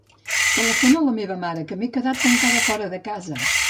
Telefona a la meva mare, que m'he quedat tancada fora de casa.